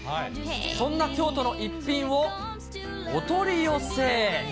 そんな京都の逸品をお取り寄せ。